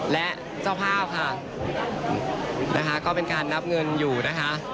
และเจ้าภาพค่ะนะคะก็เป็นการนับเงินอยู่นะคะ